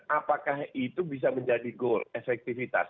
apakah itu bisa menjadi goal efektivitas